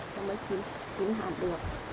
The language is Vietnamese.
cho mới chín hẳn được